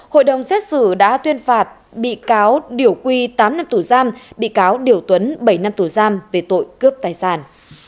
hội đồng xét xử đã tuyên phạt bị cáo điểu quy tám năm tù giam bị cáo điều tuấn bảy năm tù giam về tội cướp tài sản